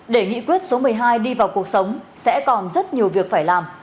để nghị quyết số một mươi hai đi vào cuộc sống sẽ còn rất nhiều việc phải làm